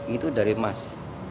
itu dari emas